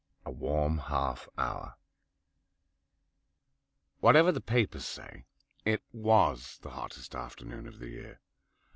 A WARM HALF HOUR Whatever the papers say, it was the hottest afternoon of the year.